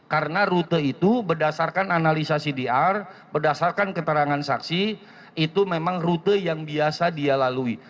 karena rute itu berdasarkan analisasi dr berdasarkan keterangan saksi itu memang rute yang biasa dia lalui